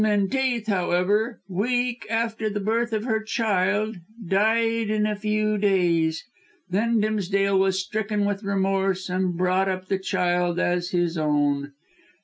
Menteith, however, weak after the birth of her child, died in a few days. Then Dimsdale was stricken with remorse and brought up the child as his own.